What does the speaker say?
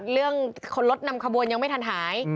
เรื่องรถนำขบวนยังไม่ทันหาย